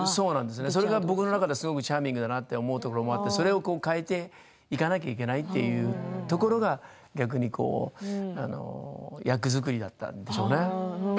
それが僕の中でチャーミングだなと思うところもあってそれを変えていかなければいけないというところが逆に役作りだったんでしょうね。